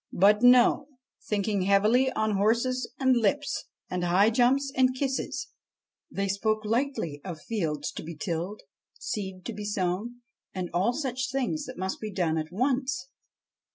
But no ; thinking heavily on horses and lips, and high jumps and kisses, they spoke lightly of fields to be tilled, seed to be sown, and all such things that must be done at once.